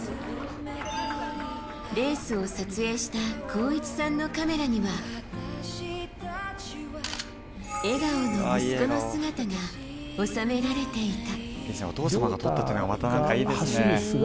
レースを撮影した浩一さんのカメラには笑顔の息子の姿が収められていた。